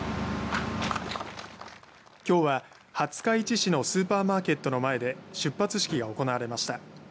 きょうは廿日市市のスーパーマーケットの前で出発式が行われました。